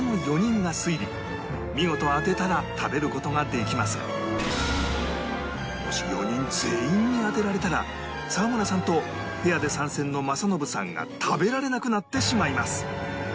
見事当てたら食べる事ができますがもし４人全員に当てられたら沢村さんとペアで参戦の政伸さんが食べられなくなってしまいます